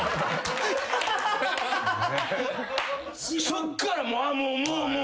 そっからもうもう。